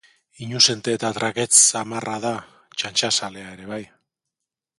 Inuzente eta trakets samarra da, txantxazalea ere bai.